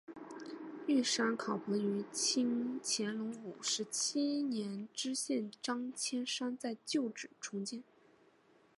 玉山考棚于清乾隆五十七年知县张兼山在旧址重建。